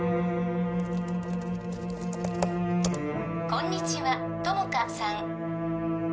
こんにちは友果さん